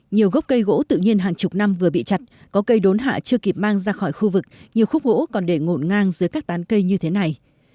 nhiều gốc cây gỗ tự nhiên hàng chục năm vừa bị chặt có cây đốn hạ chưa kịp mang ra khỏi khu vực nhiều khúc gỗ còn để ngộn ngang dưới các tán cây như thế này